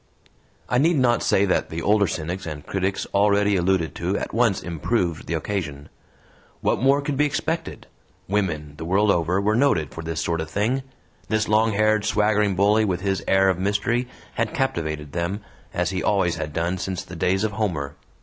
I need not say that the older cynics and critics already alluded to at once improved the occasion. 'What more could be expected? Women, the world over, were noted for this sort of thing! This long haired, swaggering bully, with his air of mystery, had captivated them, as he always had done since the days of Homer.